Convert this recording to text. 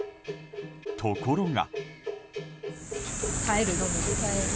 ところが。